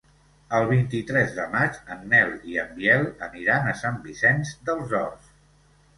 El vint-i-tres de maig en Nel i en Biel aniran a Sant Vicenç dels Horts.